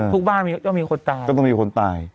ทุกบ้านต้องมีคนตาย